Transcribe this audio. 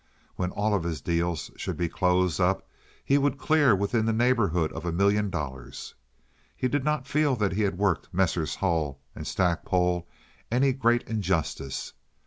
When all his deals should be closed up he would clear within the neighborhood of a million dollars. He did not feel that he had worked Messrs. Hull and Stackpole any great injustice.